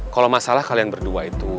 kalau masalah kalian berdua itu